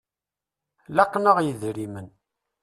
Laqen-aɣ yidrimen.